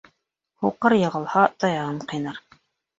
Һуҡыр йығылһа, таяғын ҡыйнар.